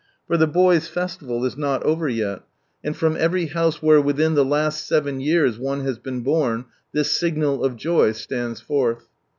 For the Boys' Festiva! is not over yet, and from every house where within the last seven years one has been born this signal of joy stands forth.